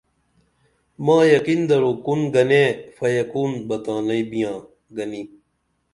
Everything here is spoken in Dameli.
ما یقین درو کُن گھنے فیکُون بہ تانئی بیاں گنی